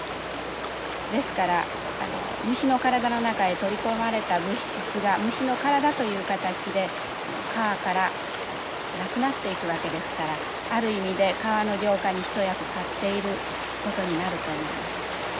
ですから虫の体の中へ取り込まれた物質が虫の体という形で川からなくなっていくわけですからある意味で川の浄化に一役買っていることになると思います。